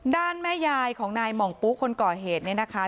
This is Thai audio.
แม่ยายของนายหม่องปุ๊คนก่อเหตุเนี่ยนะคะ